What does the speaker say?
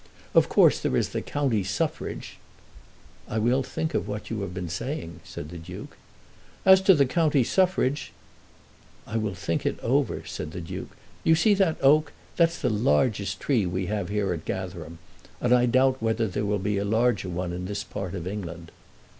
Of course there is the county suffrage " "I will think of what you have been saying," said the Duke. "As to the county suffrage " "I will think it over," said the Duke. "You see that oak. That is the largest tree we have here at Gatherum; and I doubt whether there be a larger one in this part of England."